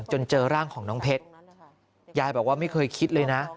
เจอร่างของน้องเพชรยายบอกว่าไม่เคยคิดเลยนะ